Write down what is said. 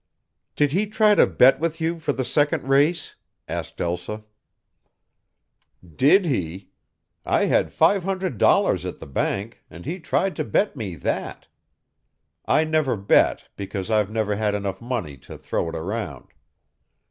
"Did he try to bet with you for the second race?" asked Elsa. "Did he? I had five hundred dollars at the bank and he tried to bet me that. I never bet, because I've never had enough money to throw it around.